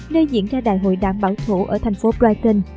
nơi diễn ra đại hội đảng bảo thủ ở thành phố brigon